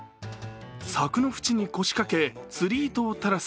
柵のふちに腰掛け、釣り糸を垂らす。